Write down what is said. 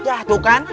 ya tuh kan